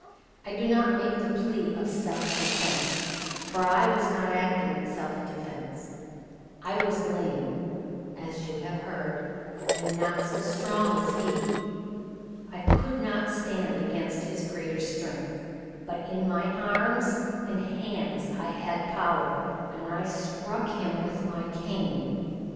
I do not make the plea of self defense for I was not acting in self defense. I was lame, as you have heard, and not so strong as he. I could not stand against his greater strength, but in my arms and hands I had power, and I struck him with my cane.